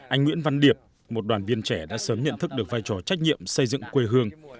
anh nguyễn văn điệp một đoàn viên trẻ đã sớm nhận thức được vai trò trách nhiệm xây dựng quê hương